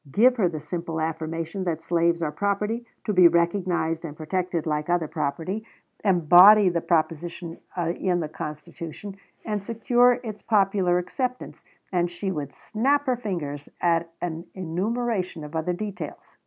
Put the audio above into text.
Give her the simple affirmation that slaves are property, to be recognized and protected like other property, embody the proposition in the Constitution, and secure its popular acceptance, and she would snap her fingers at an enumeration of other details.